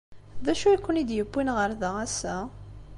D acu ay ken-id-yewwin ɣer da ass-a?